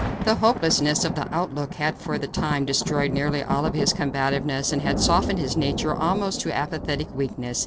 The hopelessness of the outlook had for the time destroyed nearly all of his combativeness, and had softened his nature almost to apathetic weakness.